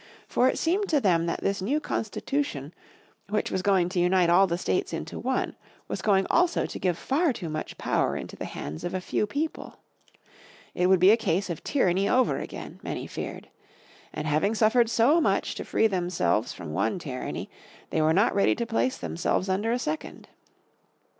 For it seemed to them that this new Constitution which was going to unite all the states into one was going also to give far too much power into the hands of a few people. It would be a case of tyranny over again, many feared. And, having suffered so much to free themselves from one tyranny, they were not ready to place themselves under a second.